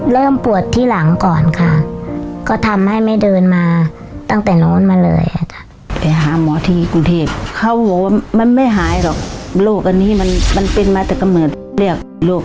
เริ่มปวดที่หลังก่อนค่ะก็ทำให้ไม่เดินมาตั้งแต่น้องอ้นมาเลย